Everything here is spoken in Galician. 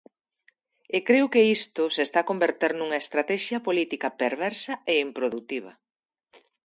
E creo que isto se está a converter nunha estratexia política perversa e improdutiva.